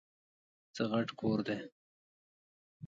څه غټ کور دی ؟!